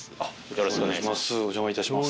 よろしくお願いします。